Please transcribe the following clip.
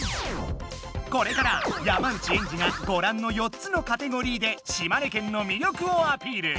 これから山内エンジがごらんの４つのカテゴリーで島根県の魅力をアピール。